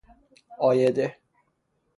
عایده